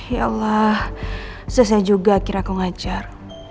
ya allah selesai juga akhirnya kau ngajar